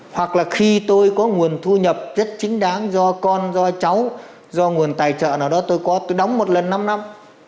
hoặc là khi tôi có nguồn thu nhập rất chính đáng do con do cháu do nguồn tài trợ nào đó tôi có tôi đóng một lần năm năm